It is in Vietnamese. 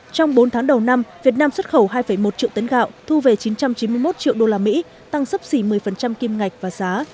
trong bốn tháng đầu năm việt nam xuất khẩu hai một triệu tấn gạo thu về chín trăm chín mươi một triệu usd tăng sấp xỉ một mươi kim ngạch và giá